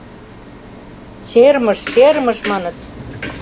«Чермыш, Чермыш! — маныт.